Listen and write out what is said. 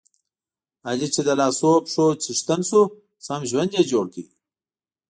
علي چې د لاسو پښو څښتن شو، سم ژوند یې جوړ کړ.